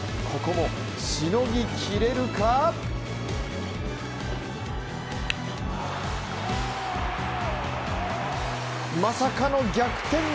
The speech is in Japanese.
ここも、しのぎきれるかまさかの逆転